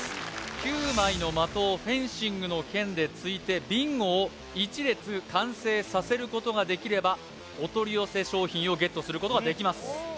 ９枚の的をフェンシングの剣で突いてビンゴを１列完成させることができればお取り寄せ商品をＧＥＴすることができます